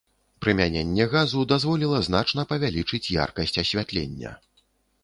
Прымяненне газу дазволіла значна павялічыць яркасць асвятлення.